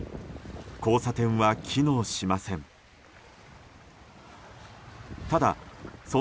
交差点は機能しません。